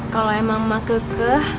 kalau emang emak kekeh